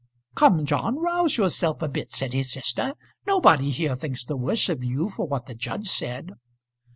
"Come, John, rouse yourself a bit," said his sister. "Nobody here thinks the worse of you for what the judge said."